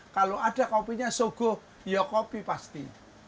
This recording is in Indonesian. kalau ada kopinya sogo ya kopi pasti